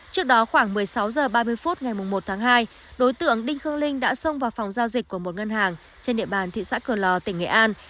trước đó khoảng một mươi sáu h ba mươi phút ngày một tháng hai đối tượng đinh khương linh đã xông vào phòng giao dịch của một ngân hàng trên địa bàn thị xã cửa lò tỉnh nghệ an